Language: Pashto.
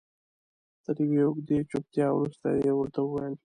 تر یوې اوږدې چوپتیا وروسته یې ورته وویل.